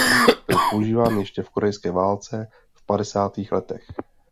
Byl používán ještě v Korejské válce v padesátých letech.